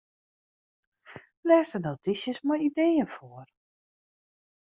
Lês de notysjes mei ideeën foar.